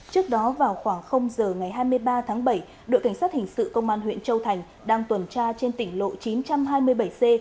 trước đó vào khoảng giờ ngày hai mươi ba tháng bảy đội cảnh sát hình sự công an huyện châu thành đang tuần tra trên tỉnh lộ chín trăm hai mươi bảy c